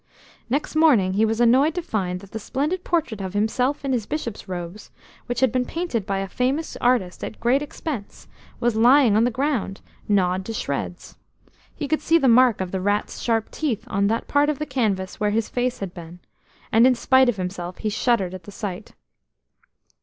Next morning he was annoyed to find that the splendid portrait of himself in his Bishop's robes, which had been painted by a famous artist at great expense, was lying on the ground, gnawed to shreds. He could see the mark of the rats' sharp teeth on that part of the canvas where his face had been, and in spite of himself he shuddered at the sight.